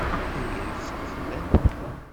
Aya yeffeɣ fell-aneɣ.